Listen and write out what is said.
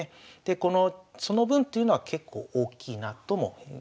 この「その分」というのは結構大きいなとも思います。